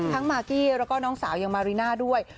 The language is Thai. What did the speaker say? มากกี้แล้วก็น้องสาวยังมาริน่าด้วย